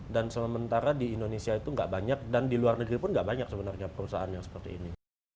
dan sementara di indonesia itu gak banyak dan di luar negeri pun gak banyak sebenarnya perusahaan yang seperti ini